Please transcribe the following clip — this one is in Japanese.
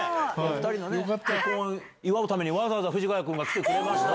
２人の結婚を祝うためにわざわざ藤ヶ谷君が来てくれました。